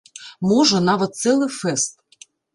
Можа, нават цэлы фэст.